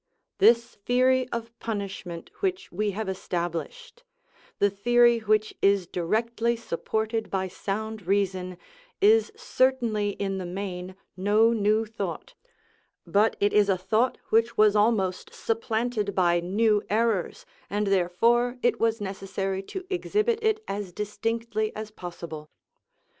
This theory of punishment which we have established, the theory which is directly supported by sound reason, is certainly in the main no new thought; but it is a thought which was almost supplanted by new errors, and therefore it was necessary to exhibit it as distinctly as possible.